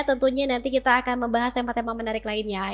tentunya nanti kita akan membahas tema tema menarik lainnya